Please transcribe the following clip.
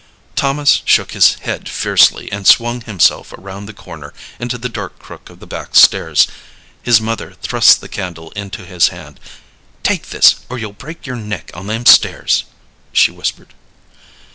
Thomas shook his head fiercely, and swung himself around the corner into the dark crook of the back stairs. His mother thrust the candle into his hand. "Take this, or you'll break your neck on them stairs," she whispered.